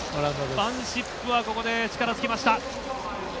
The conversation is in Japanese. ファンシップはここで力尽きました。